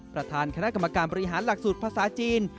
ประธานคณะกรรมการบริหารหลักสูตรภาษาจีน